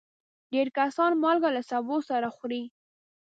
ډېر کسان مالګه له سبو سره خوري.